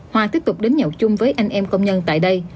hoa tiếp tục đến nhậu chung với anh em công nhân tại đây